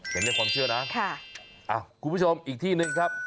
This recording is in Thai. เป็นเรื่องความเชื่อนะคุณผู้ชมอีกที่หนึ่งครับ